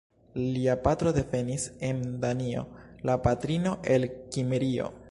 Lia patro devenis en Danio, la patrino el Kimrio.